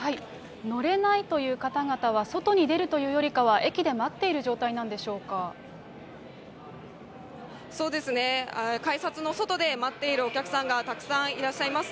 乗れないという方々は外に出るというよりかは、駅で待っていそうですね、改札の外で待っているお客さんがたくさんいらっしゃいます。